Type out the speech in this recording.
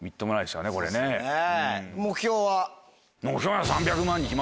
目標は。